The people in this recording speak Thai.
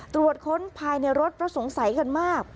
ตรวจค้นภายในรถเพราะสงสัยกันมาก